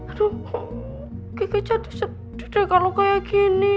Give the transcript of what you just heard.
aduh kiki jatuh sedih deh kalau kayak gini